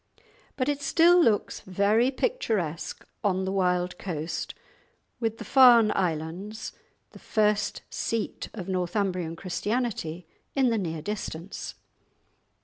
But it still looks very picturesque on the wild coast, with the Farne Islands, the first seat of Northumbrian Christianity, in the near distance.